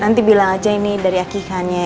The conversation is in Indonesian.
nanti bilang aja ini dari akikahnya